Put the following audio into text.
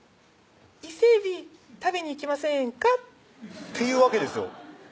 伊勢海老食べに行きませんか？」って言うわけですよ